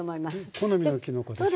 好みのきのこですよね。